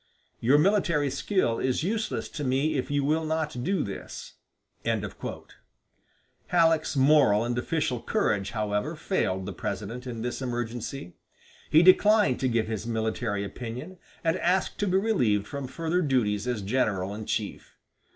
Your military skill is useless to me if you will not do this." Halleck's moral and official courage, however, failed the President in this emergency. He declined to give his military opinion, and asked to be relieved from further duties as general in chief.